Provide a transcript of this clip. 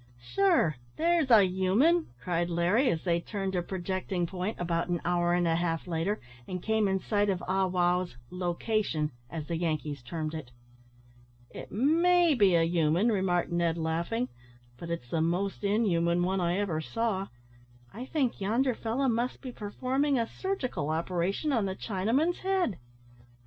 "Sure, there's a human!" cried Larry, as they turned a projecting point, about an hour and a half later, and came in sight of Ah wow's "lo cation," as the Yankees termed it. "It may be a human," remarked Ned, laughing, "but it's the most inhuman one I ever saw. I think yonder fellow must be performing a surgical operation on the Chinaman's head."